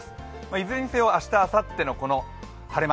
いずれにせよ明日、あさっての晴れ間